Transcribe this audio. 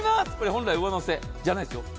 本来上乗せじゃないですよ。